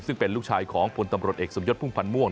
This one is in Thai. ซึ่งเป็นลูกชายของพลตำรวจเอกสมยศพุ่มพันธ์ม่วง